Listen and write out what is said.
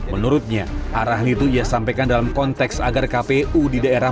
menurutnya arahan itu ia sampaikan dalam konteks agar kpu di daerah